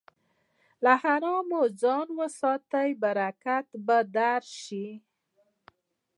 له حرامه ځان وساته، برکت به درشي.